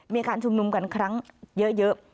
มีการชุมนุมกันครั้งเยอะ